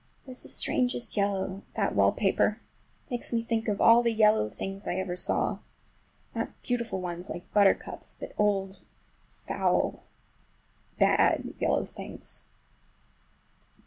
It is the strangest yellow, that wallpaper! It makes me think of all the yellow things I ever saw—not beautiful ones like buttercups, but old foul, bad yellow things.